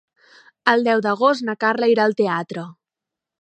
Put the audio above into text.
El deu d'agost na Carla irà al teatre.